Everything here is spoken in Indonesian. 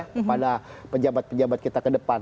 kepada pejabat pejabat kita ke depan